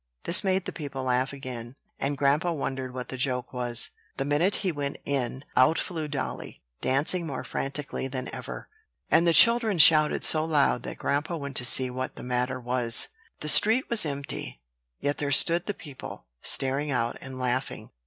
This made the people laugh again, and grandpa wondered what the joke was. The minute he went in out flew dolly, dancing more frantically than ever; and the children shouted so loud that grandpa went to see what the matter was. The street was empty; yet there stood the people, staring out and laughing.